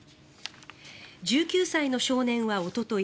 １９歳の少年はおととい